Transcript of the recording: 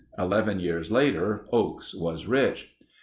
Eleven years later Oakes was rich.